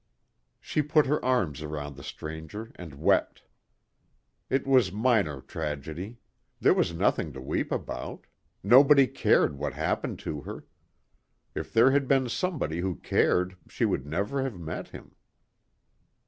She put her arms around the stranger and wept. It was minor tragedy. There was nothing to weep about. Nobody cared what happened to her. If there had been somebody who cared she would never have met him.